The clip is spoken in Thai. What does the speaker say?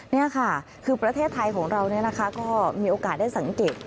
นี่ค่ะคือประเทศไทยของเราก็มีโอกาสได้สังเกต